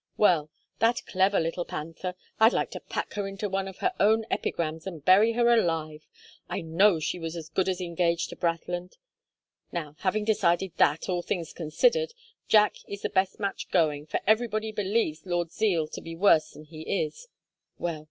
Well that clever little panther! I'd like to pack her into one of her own epigrams and bury her alive. I know she was as good as engaged to Brathland. Now, having decided that, all things considered, Jack is the best match going for everybody believes Lord Zeal to be worse than he is well!